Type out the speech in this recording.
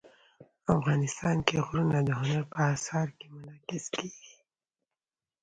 افغانستان کې غرونه د هنر په اثار کې منعکس کېږي.